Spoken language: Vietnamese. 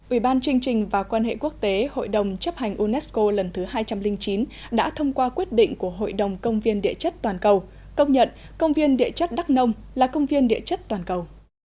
ủy ban chương trình và quan hệ quốc tế hội đồng chấp hành unesco lần thứ hai trăm linh chín đã thông qua quyết định của hội đồng công viên địa chất toàn cầu công nhận công viên địa chất đắc nông là công viên địa chất toàn cầu